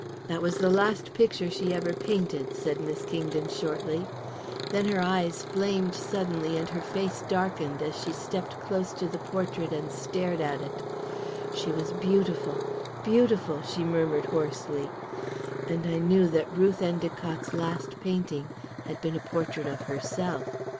"That was the last picture she ever painted," said Miss Kingdon shortly; then her eyes flamed suddenly and her face darkened, as she stepped close to the portrait and stared at it. "She was beautiful beautiful!" she murmured hoarsely, and I knew that Ruth Endicott's last painting had been a portrait of herself.